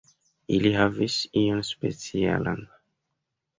Ili havis ion specialan.